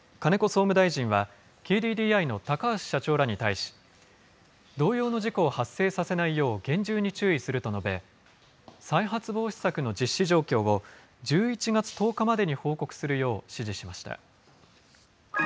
総務大臣は、ＫＤＤＩの高橋社長らに対し、同様の事故を発生させないよう、厳重に注意すると述べ、再発防止策の実施状況を、１１月１０日までに報告するよう指示しました。